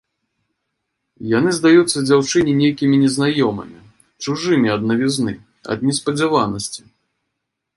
Яны здаюцца дзяўчыне нейкімі незнаёмымі, чужымі ад навізны, ад неспадзяванасці.